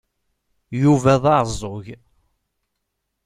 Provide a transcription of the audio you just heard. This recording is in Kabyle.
Yuba d aεeẓẓug.